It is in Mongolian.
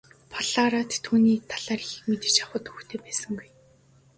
Платт түүний талаар ихийг мэдэж авахад төвөгтэй байсангүй.